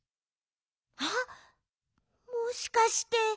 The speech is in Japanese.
あっもしかして。